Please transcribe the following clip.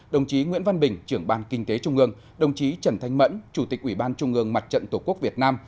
đồng chí nguyễn văn bình trưởng ban kinh tế trung ương đồng chí trần thanh mẫn chủ tịch ủy ban trung ương mặt trận tổ quốc việt nam